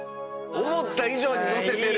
思った以上にのせてる。